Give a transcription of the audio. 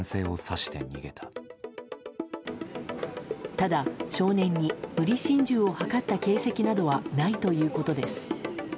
ただ、少年に無理心中を図った形跡などはないということです。